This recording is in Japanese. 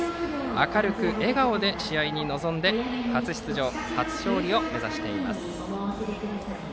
明るく笑顔で試合に臨んで初出場初勝利を目指しています。